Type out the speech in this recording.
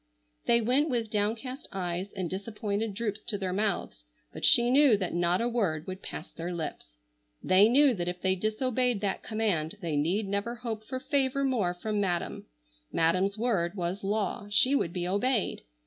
They went with downcast eyes and disappointed droops to their mouths, but she knew that not a word would pass their lips. They knew that if they disobeyed that command they need never hope for favor more from madam. Madam's word was law. She would be obeyed.